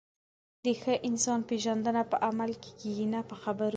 د ښه انسان پیژندنه په عمل کې کېږي، نه په خبرو.